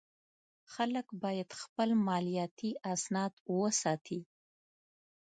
خلک باید خپل مالیاتي اسناد وساتي.